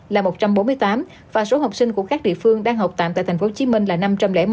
là một trăm bốn mươi tám và số học sinh của các địa phương đang học tạm tại tp hcm là năm trăm linh một